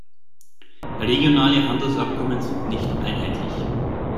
Regionale Handelsabkommen sind nicht einheitlich.